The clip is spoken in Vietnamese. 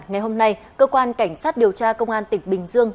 ngày hôm nay cơ quan cảnh sát điều tra công an tỉnh bình dương